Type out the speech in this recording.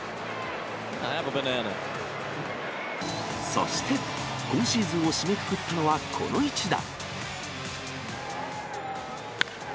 そして、今シーズンを締めくくったのは、この一打。